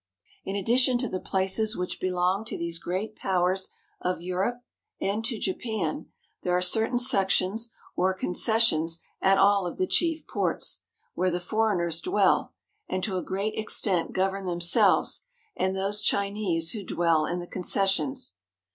In addition to the places which belong to these great powers of Europe and to Japan, there are certain sections or concessions at all of the chief ports, where the foreigners dwell and to a great extent govern themselves and those Chinese who dwell in the concessions.